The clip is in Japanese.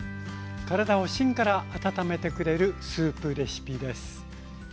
体を芯から温めてくれるスープレシピです。